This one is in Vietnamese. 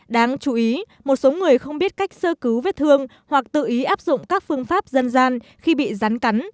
đáng chú ý một số người không biết cách sơ cứu vết thương hoặc tự ý áp dụng các phương pháp dân gian khi bị rắn cắn